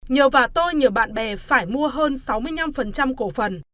nhờ và tôi nhờ bạn bè phải mua hơn sáu mươi năm cổ phần